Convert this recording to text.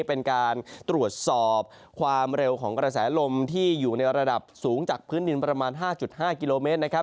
เป็นการตรวจสอบความเร็วของกระแสลมที่อยู่ในระดับสูงจากพื้นดินประมาณ๕๕กิโลเมตรนะครับ